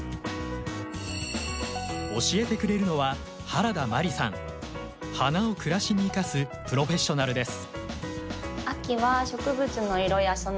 教えてくれるのは花を暮らしに生かすプロフェッショナルです。